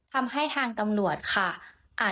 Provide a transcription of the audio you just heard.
ทำให้ทางกำรวจค่ะอาจจะเกิดความเกรงใจนะคะ